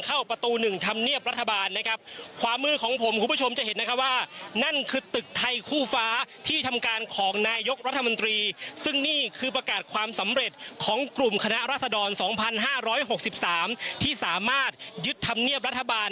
โดยทางกลุ่มขนาดรัฐดรและมวลชนภาษาจารย์นั้น